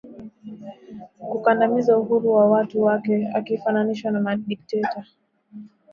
Kukandamiza uhuru wa watu wake akifananishwa na madikteta